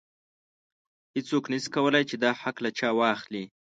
هیڅوک نشي کولی چې دا حق له چا واخلي.